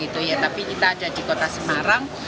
tapi kita ada di kota semarang